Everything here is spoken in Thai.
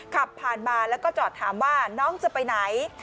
ขับผ่านมาแล้วก็จอดถามว่าน้องจะไปไหน